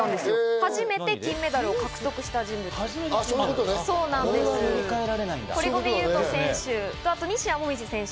初めて金メダルを獲得した人物、堀米雄斗選手。